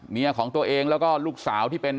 เมียของตัวเองแล้วก็ลูกสาวที่เป็น